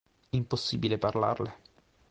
Impossibile parlarle.